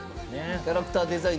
「キャラクターデザイン」。